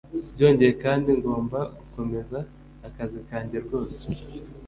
Byongeye kandi, ngomba gukomeza akazi kanjye rwose